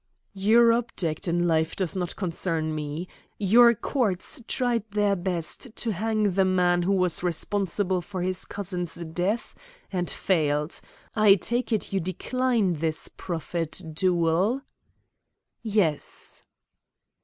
"Your object in life does not concern me. Your courts tried their best to hang the man who was responsible for his cousin's death, and failed. I take it you decline this proffered duel?" "Yes."